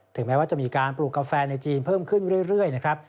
แม้ว่าจะมีการปลูกกาแฟในจีนเพิ่มขึ้นเรื่อยนะครับ